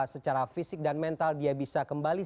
secara fisik dan mental dia bisa kembali